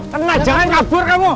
tentenglah jangan kabur kamu